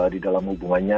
di dalam hubungannya